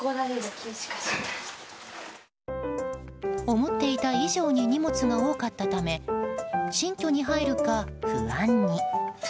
思っていた以上に荷物が多かったため新居に入るか不安に。